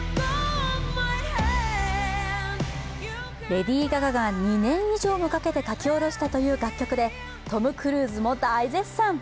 レディー・ガガが２年以上もかけて書き下ろしたという楽曲で、トム・クルーズも大絶賛。